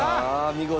見事。